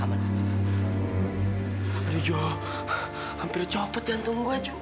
aduh jo hampir copot jantung gua